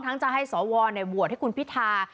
ทั้งจะให้สวววให้คุณพิทา